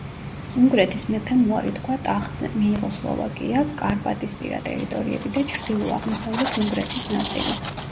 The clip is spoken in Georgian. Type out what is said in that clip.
უნგრეთის მეფემ უარი თქვა ტახტზე, მიიღო სლოვაკია, კარპატისპირა ტერიტორიები და ჩრდილო-აღმოსავლეთ უნგრეთის ნაწილი.